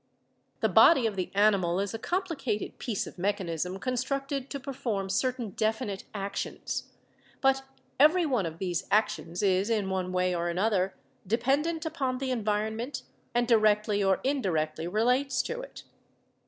The body of the animal is a complicated piece of mechanism constructed to perform certain definite actions. But every one of these actions is in one way or another dependent upon the environment and directly or indirectly relates to it.